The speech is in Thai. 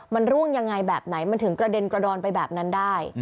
มันร่วงยังไงแบบไหนมันถึงกระเด็นกระดอนไปแบบนั้นได้